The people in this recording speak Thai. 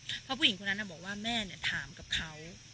อืมเพราะผู้หญิงคนนั้นอะบอกว่าแม่เนี่ยถามกับเขา